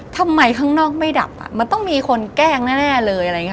ทำไมข้างนอกไม่ดับมันต้องมีคนแกล้งแน่เลย